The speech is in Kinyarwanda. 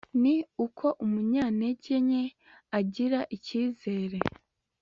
ni uko umunyantege nke agira icyizere